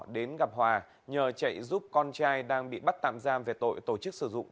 đến gặp hòa nhờ chạy giúp con trai đang bị bắt tạm giam về tội tổ chức sử dụng